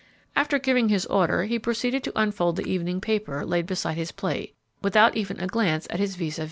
After giving his order, he proceeded to unfold the evening paper laid beside his plate, without even a glance at his vis a vis.